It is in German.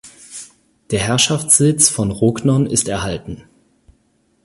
Der Herrschaftssitz von Rognon ist erhalten.